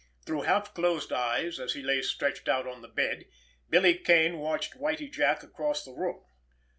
Through half closed eyes, as he lay stretched out on the bed, Billy Kane watched Whitie Jack across the room.